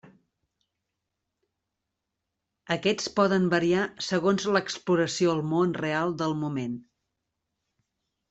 Aquests poden variar segons l'exploració al món real del moment.